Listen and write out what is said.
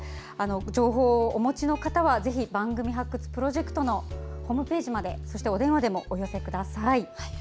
情報をお持ちの方はぜひ番組発掘プロジェクトのホームページまでそしてお電話でもお寄せください。